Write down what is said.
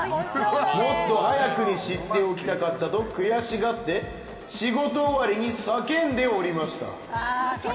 もっと早くに知っておきたかったと悔しがって、仕事終わりに叫んでおりました。